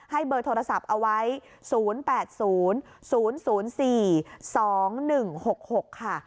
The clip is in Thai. เบอร์โทรศัพท์เอาไว้๐๘๐๐๔๒๑๖๖ค่ะ